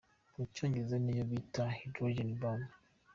Mu cyongereza niyo bita Hydrogen bomb.